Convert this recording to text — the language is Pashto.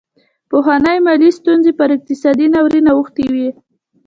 پخوانۍ مالي ستونزې پر اقتصادي ناورین اوښتې وې.